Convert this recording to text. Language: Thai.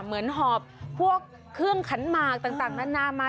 หอบพวกเครื่องขันหมากต่างนานามา